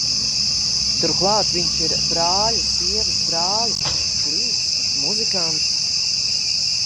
Turklāt viņš ir brāļa sievas brālis - glīts, muzikants!